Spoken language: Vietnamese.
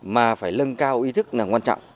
mà phải lâng cao ý thức là quan trọng